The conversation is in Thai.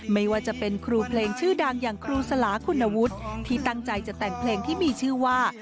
ไม่ว่าจะเป็นครูเพลงชื่อดังอย่างครูสลาคุณวุฒิที่ตั้งใจจะแต่งเพลงที่มีชื่อว่า